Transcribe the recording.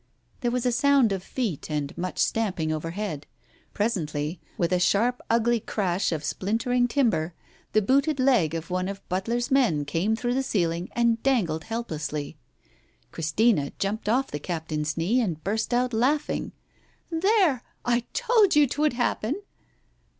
There was a sound of feet and much stamping over head. Presently, with a sharp ugly crash of splintering timber, the booted leg of one of Butler's men came through the ceiling and dangled helplessly. Christina jumped off the captain's knee and burst out laughing. "There ! I told you 'twould happen."